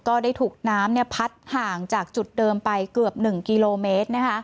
ก็ได้ถูกน้ำพัดห่างจากจุดเดิมไปเกือบ๑กิโลเมตร